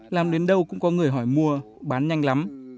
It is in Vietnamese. làm đến đâu cũng có người hỏi mua bán nhanh lắm